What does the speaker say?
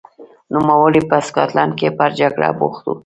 نوموړی په سکاټلند کې پر جګړه بوخت و.